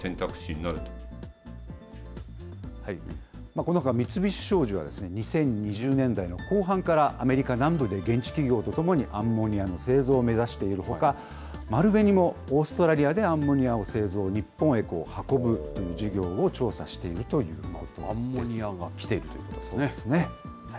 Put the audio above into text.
このほか、三菱商事は２０２０年代の後半から、アメリカ南部で現地企業と共にアンモニアの製造を目指しているほか、丸紅もオーストラリアでアンモニアを製造、日本へ運ぶ事業をアンモニアがきているというそうですね。